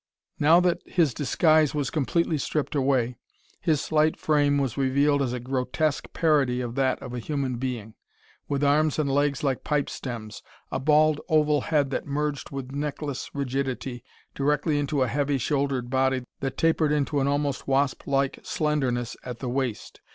Now that his disguise was completely stripped away, his slight frame was revealed as a grotesque parody of that of a human being, with arms and legs like pipe stems, a bald oval head that merged with neckless rigidity directly into a heavy shouldered body that tapered into an almost wasp like slenderness at the waist.